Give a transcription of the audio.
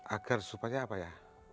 agar supaya apa ya